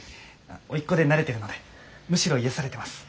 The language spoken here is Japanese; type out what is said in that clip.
甥っ子で慣れてるのでむしろ癒やされてます。